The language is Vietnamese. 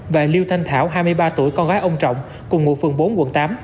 và liêu thanh thảo hai mươi ba tuổi con gái ông trọng cùng ngụ phường bốn quận tám